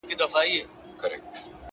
تا په درد كاتــــه اشــــنــــا ـ